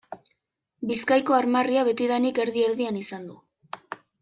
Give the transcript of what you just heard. Bizkaiko armarria betidanik erdi-erdian izan du.